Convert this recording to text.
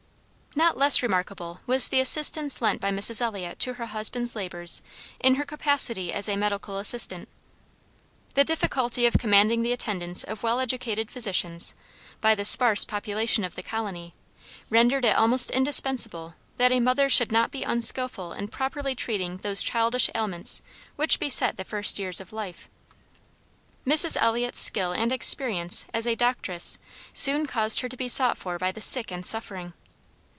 Not less remarkable was the assistance lent by Mrs. Eliot to her husband's labors in her capacity as a medical assistant. The difficulty of commanding the attendance of well educated physicians, by the sparse population of the colony, rendered it almost indispensable that a mother should be not unskillful in properly treating those childish ailments which beset the first years of life. Mrs. Eliot's skill and experience as a doctress soon caused her to be sought for by the sick and suffering.